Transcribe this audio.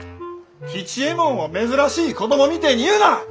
吉右衛門を珍しい子供みてえに言うな！